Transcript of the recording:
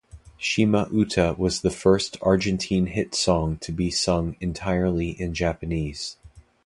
"Shima Uta" was the first Argentine hit song to be sung entirely in Japanese.